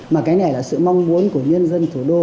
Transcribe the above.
mà cái này là sự mong muốn của nhân dân thủ đô